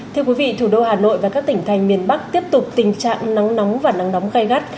thưa quý vị thủ đô hà nội và các tỉnh thành miền bắc tiếp tục tình trạng nắng nóng và nắng nóng gai gắt